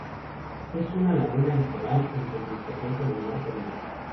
Es una laguna litoral en comunicación con el mar Caribe.